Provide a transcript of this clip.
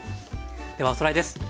ではおさらいです。